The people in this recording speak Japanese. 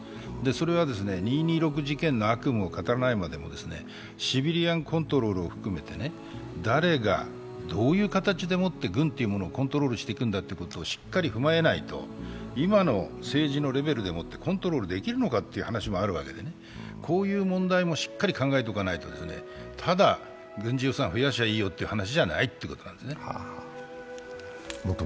それは二・二六事件の悪夢を語らないまでもシビリアンコントロールを含めて、誰が、どういう形でもって軍というものをコントロールしていくんだということをしっかり踏まえないと、今の政治のレベルでもってコントロールできるのかっていう話もあるわけで、こういう問題もしっかり考えておかないとただ軍事予算を増やせばいいよという話じゃないわけです。